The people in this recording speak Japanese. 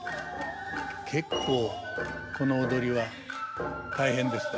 結構この踊りは大変ですね。